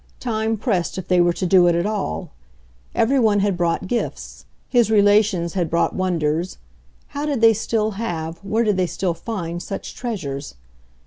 Time pressed if they were to do it at all. Everyone had brought gifts; his relations had brought wonders how did they still have, where did they still find, such treasures?